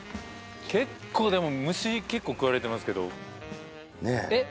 結構でも虫に食われてますけどえっ？